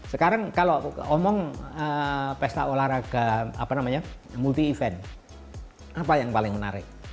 sekarang kalau omong pesta olahraga apa namanya multi event apa yang paling menarik